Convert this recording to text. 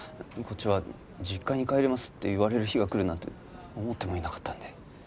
こっちは「実家に帰ります」って言われる日がくるなんて思ってもいなかったので。